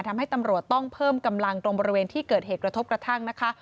ทำให้ตำรวจต้องเพิ่มกำลังตรงบริเวณที่เกิดเหตุกระทบกระทั่งนะคะ